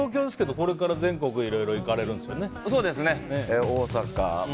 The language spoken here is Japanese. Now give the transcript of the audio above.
これからいろいろ行かれるんですか。